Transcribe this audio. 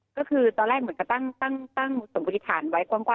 ก็คือตอนแรกเหมือนกับตั้งสมมติฐานไว้กว้าง